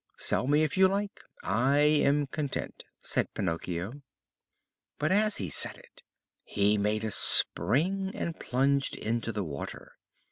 "Sell me if you like; I am content," said Pinocchio. But as he said it he made a spring and plunged into the water.